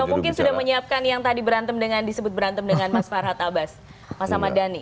atau mungkin sudah menyiapkan yang tadi berantem dengan disebut berantem dengan mas farhad abbas mas ahmad dhani